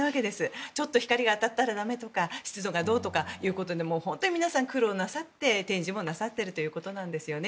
ちょっと光が当たったら駄目とか湿度がどうとか本当に皆さん苦労なさって展示もなさっているということなんですよね。